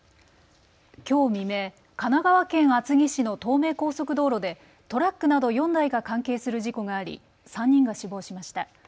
きょう未明、神奈川県厚木市の東名高速道路でトラックなど４台が関係する事故があり３人が死亡しました。